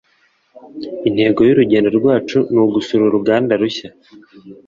intego y'urugendo rwacu ni ugusura uruganda rushya